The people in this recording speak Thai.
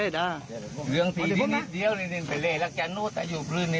ตายเรื่อย